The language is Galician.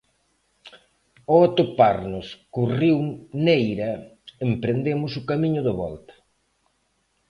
Ao atoparnos co río Neira emprendemos o camiño de volta.